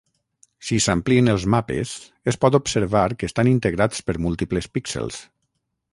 Si s’amplien els mapes es pot observar que estan integrats per múltiples píxels.